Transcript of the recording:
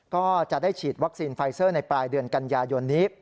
ก็จะได้ฉีดวัคซีนไฟเซอร์ในปลายเดือนกันยายนนี้